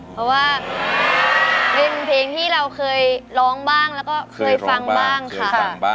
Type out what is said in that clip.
เพราะว่าเป็นเพลงที่เราเคยร้องบ้างแล้วก็เคยฟังบ้างค่ะ